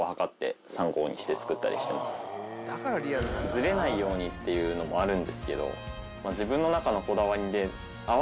ずれないようにっていうのもあるんですけど。